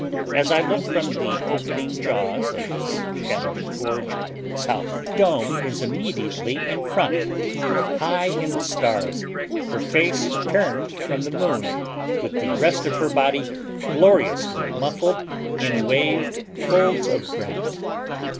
As I look from the opening jaws of this shadowy gorge, South Dome is immediately in front—high in the stars, her face turned from the moon, with the rest of her body gloriously muffled in waved folds of granite.